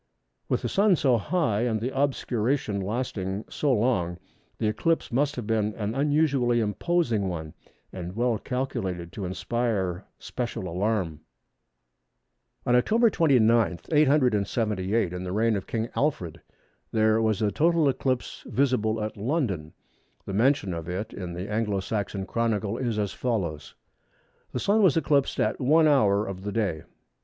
With the Sun so high and the obscuration lasting so long, this eclipse must have been an unusually imposing one, and well calculated to inspire special alarm. On Oct. 29, 878, in the reign of King Alfred, there was a total eclipse visible at London. The mention of it in the Anglo Saxon Chronicle is as follows:—"The Sun was eclipsed at 1 hour of the day."